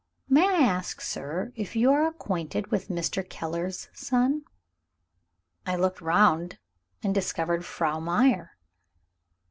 "May I ask, sir, if you are acquainted with Mr. Keller's son?" I looked round, and discovered Frau Meyer.